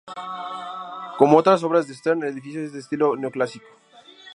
Como otras obras de Stern, el edificio es de estilo neoclásico.